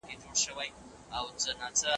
سبزیجات تيار کړه؟